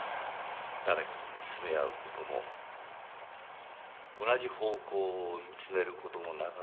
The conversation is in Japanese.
誰かと見つめ合う事も同じ方向を見つめる事もなかった。